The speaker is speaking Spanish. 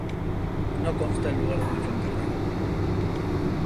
No consta el lugar donde fue enterrado.